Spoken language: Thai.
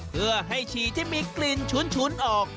เพื่อให้ฉี่ที่มีกลิ่นฉุนออก